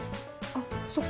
あっそっか。